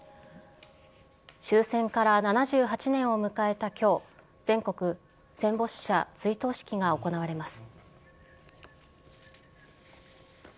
終戦から７８年を迎えたきょう、全国戦没者追悼式が行われます。